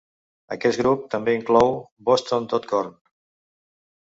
Aquest grup també inclou "boston dot com".